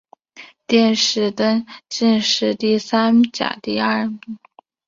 殿试登进士第三甲第三名。